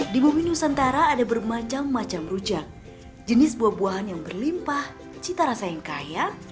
di bumi nusantara ada bermacam macam rujak jenis buah buahan yang berlimpah cita rasa yang kaya